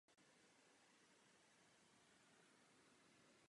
Po jeho dokončení sloužil čtvrtý most pouze pro chodce a cyklisty.